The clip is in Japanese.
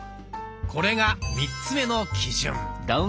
これが３つ目の基準。